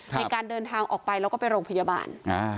ในการเดินทางออกไปแล้วก็ไปโรงพยาบาล